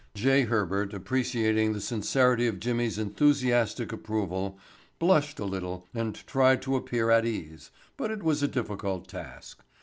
J. Herbert, appreciating the sincerity of Jimmy's enthusiastic approval, blushed a little and tried to appear at ease, but it was a difficult task.